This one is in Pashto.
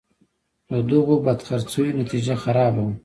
د دغو بدخرڅیو نتیجه خرابه وه.